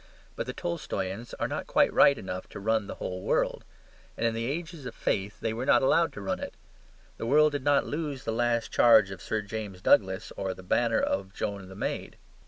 But the Tolstoyans are not quite right enough to run the whole world; and in the ages of faith they were not allowed to run it. The world did not lose the last charge of Sir James Douglas or the banner of Joan the Maid.